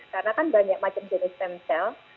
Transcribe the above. karena kan banyak macam jenis stem cell